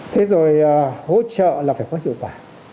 thế rồi hỗ trợ là phải có hiệu quả